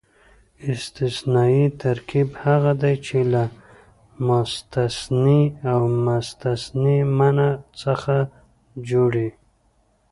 استثنایي ترکیب هغه دئ، چي له مستثنی او مستثنی منه څخه جوړ يي.